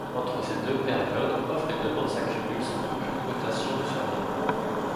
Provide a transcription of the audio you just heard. Entre ces deux périodes, offres et demandes s'accumulent sans qu'aucune cotation ne survienne.